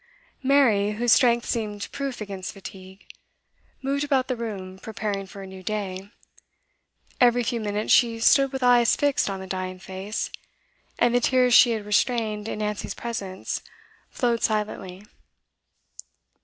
Mary, whose strength seemed proof against fatigue, moved about the room, preparing for a new day; every few minutes she stood with eyes fixed on the dying face, and the tears she had restrained in Nancy's presence flowed silently.